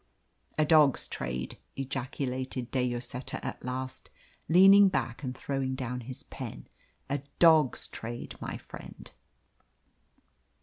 "A dog's trade!" ejaculated De Lloseta at last, leaning back and throwing down his pen, "a dog's trade, my friend!"